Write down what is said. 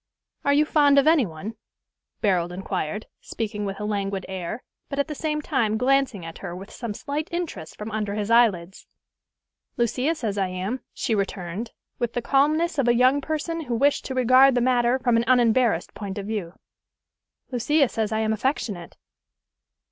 "Are you fond of any one?" Barold inquired, speaking with a languid air, but at the same time glancing at her with some slight interest from under his eyelids. "Lucia says I am," she returned, with the calmness of a young person who wished to regard the matter from an unembarrassed point of view. "Lucia says I am affectionate."